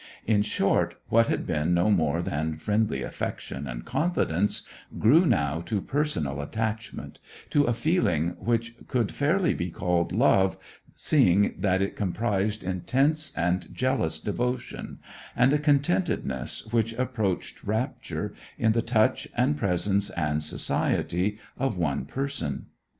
In short, what had been no more than friendly affection and confidence, grew now to personal attachment, to a feeling which could fairly be called love, seeing that it comprised intense and jealous devotion, and a contentedness which approached rapture, in the touch and presence and society of one person.